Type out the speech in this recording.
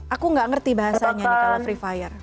aku gak ngerti bahasanya nih kalau free fire